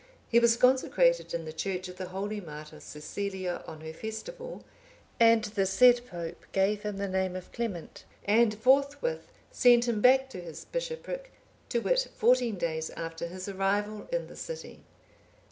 He was consecrated in the church of the Holy Martyr Cecilia,(837) on her festival; and the said pope gave him the name of Clement, and forthwith sent him back to his bishopric, to wit, fourteen days after his arrival in the city.